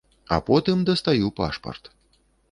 А потым дастаю пашпарт.